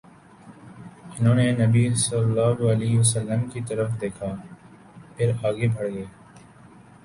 انھوں نے نبی صلی اللہ علیہ وسلم کی طرف دیکھا، پھر آگے بڑھ گئے